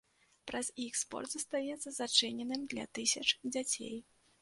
Праз іх спорт застаецца зачыненым для тысяч дзяцей.